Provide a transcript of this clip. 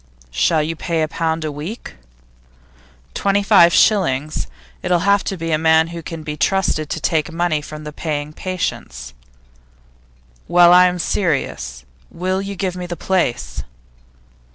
'Shall you pay a pound a week?' 'Twenty five shillings. It'll have to be a man who can be trusted to take money from the paying patients.' 'Well, I am serious. Will you give me the place?